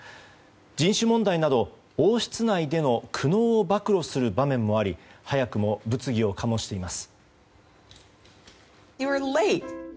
人種問題など王室内での苦悩を暴露する場面もあり早くも物議を醸しています。